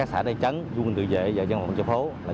trên các tuyến bước lộ một a